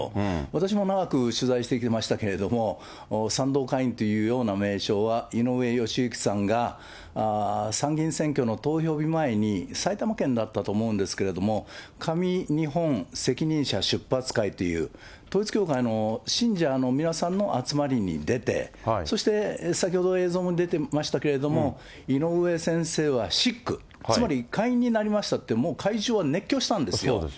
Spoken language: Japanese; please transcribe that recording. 私も長く取材してきましたけれども、賛同会員というような名称は、井上義行さんが参議院選挙の投票日前に、埼玉県だったと思うんですけれども、神日本責任者出発会という、統一教会の信者の皆さんの集まりに出て、そして先ほど映像も出てましたけれども、井上先生はシック、つまり会員になりましたって、もう会場は熱狂したんですよ。